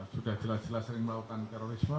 sudah jelas jelas sering melakukan terorisme